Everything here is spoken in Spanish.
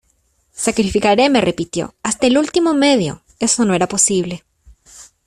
Sacrificaré me repitió ¡Hasta el último medio! eso no era posible.